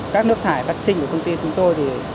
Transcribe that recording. các nước thải phát sinh của công ty chúng tôi thì